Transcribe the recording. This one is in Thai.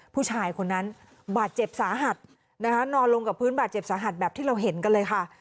ผู้ชายคนนั้นบาดเจ็บสาหัสนะคะนอนลงกับพื้นบาดเจ็บสาหัสแบบที่เราเห็นกันเลยค่ะ